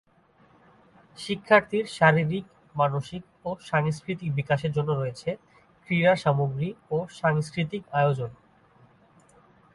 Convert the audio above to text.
শিক্ষার্থীর শারীরিক, মানসিক ও সাংস্কৃতিক বিকাশের জন্য রয়েছে ক্রীড়া সামগ্রী ও সাংস্কৃতিক আয়োজন।